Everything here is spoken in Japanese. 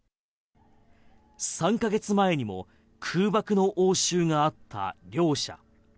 ３か月前にも空爆の応酬があった両者。